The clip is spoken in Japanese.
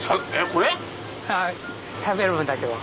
これ⁉食べる分だけは。